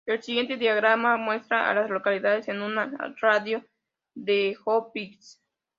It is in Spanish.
El siguiente diagrama muestra a las localidades en un radio de de Hopkins.